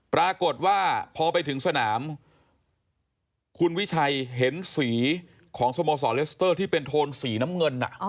ปรากฏว่าพอไปถึงสนามคุณวิชัยเห็นสีของสโมสรเลสเตอร์ที่เป็นโทนสีน้ำเงิน